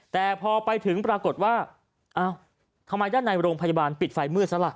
แต่พอไปถึงปรากฏว่าอ้าวทำไมด้านในโรงพยาบาลปิดไฟมืดซะล่ะ